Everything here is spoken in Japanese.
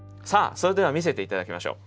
それでは見せて頂きましょう。